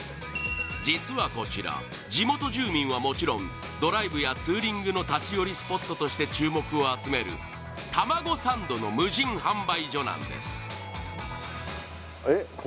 実はこちら地元住民はもちろんドライブやツーリングの立ち寄りスポットとして注目を集める玉子サンドの無人販売所なんですえっ